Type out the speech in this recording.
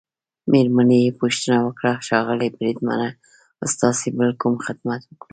مېرمنې يې پوښتنه وکړه: ښاغلی بریدمنه، ستاسي بل کوم خدمت وکړو؟